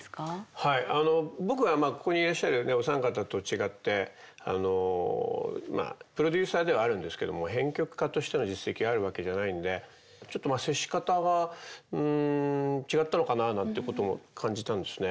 はい僕はここにいらっしゃるお三方と違ってプロデューサーではあるんですけども編曲家としての実績があるわけじゃないのでちょっとまあ接し方が違ったのかななんてことも感じたんですね。